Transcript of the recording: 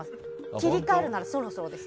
切り替えるならそろそろですよ。